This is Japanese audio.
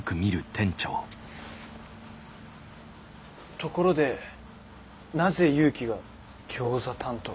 ところでなぜ祐樹がギョーザ担当に？